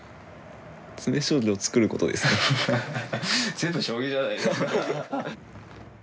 全部将棋じゃないですか。